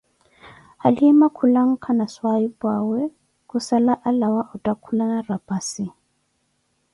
Halima khulanka na swahiphu'awe khussala alawa otthaakulana raphassi